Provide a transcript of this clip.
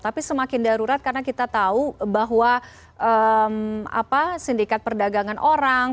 tapi semakin darurat karena kita tahu bahwa sindikat perdagangan orang